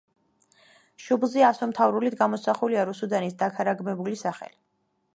შუბლზე ასომთავრულით გამოსახულია რუსუდანის დაქარაგმებული სახელი.